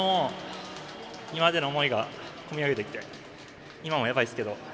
今までの思いが込み上げてきて今もやばいですけど。